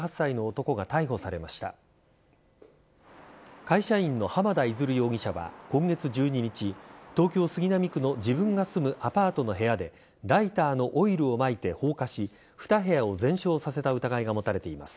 会社員の浜田出容疑者は今月１２日東京・杉並区の自分が住むアパートの部屋でライターのオイルをまいて放火し２部屋を全焼させた疑いが持たれています。